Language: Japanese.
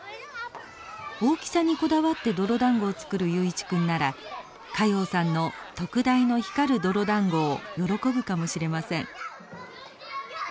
大きさにこだわって泥だんごを作る雄一君なら加用さんの特大の光る泥だんごを喜ぶかもしれません。